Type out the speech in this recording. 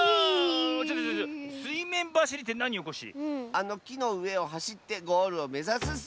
あのきのうえをはしってゴールをめざすッス！